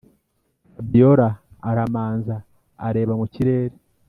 fabiora aramanza areba mukirere